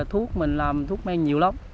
thuốc mình làm thuốc men nhiều lắm